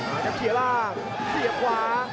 มากับเกลียดล่างเสียงขวา